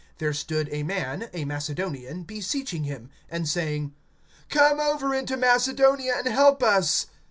There stood a man, a Macedonian, beseeching him, and saying: Come over into Macedonia and help us.